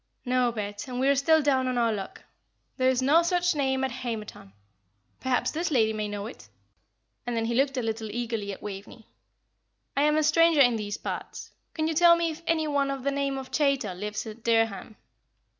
"No, Bet, and we are still down on our luck. There is no such name at Hamerton. Perhaps this lady may know it" and then he looked a little eagerly at Waveney. "I am a stranger in these parts. Can you tell me if any one of the name of Chaytor lives at Dereham?"